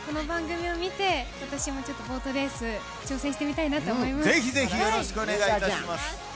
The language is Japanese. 初心者なんですけどこの番組を見て私もボートレース、挑戦してみたいなと思います。